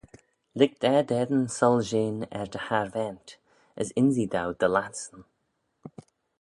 Lhig da dt'eddin soilshean er dty harvaant: as ynsee dou dty lattyssyn.